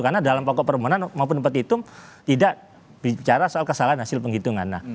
karena dalam pokok permohonan maupun petitum tidak bicara soal kesalahan hasil penghitungan